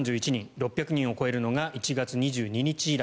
６００人を超えるのが１月２２日以来。